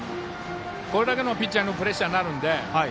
これだけのピッチャーでもプレッシャーになるので。